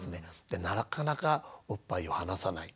でなかなかおっぱいを離さない。